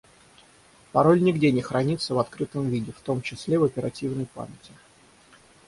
Пароль нигде не хранится в открытом виде, в том числе в оперативной памяти